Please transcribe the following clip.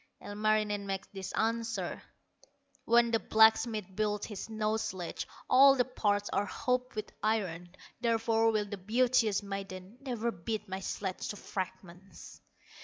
Ilmarinen makes this answer: "When the blacksmith builds his snow sledge, All the parts are hooped with iron; Therefore will the beauteous maiden Never beat my sledge to fragments."